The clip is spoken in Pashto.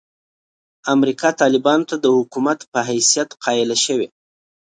امریکا طالبانو ته د حکومت په حیثیت قایله شوې.